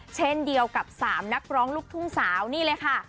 เช่นเดียวกับ๓นักร้องลูกทุ่งสาวนี่เลยค่ะ